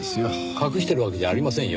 隠してるわけじゃありませんよ。